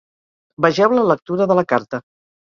Vegeu la lectura de la carta.